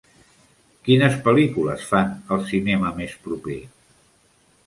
Quines pel·lícules fan al cinema més proper?